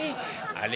あれ？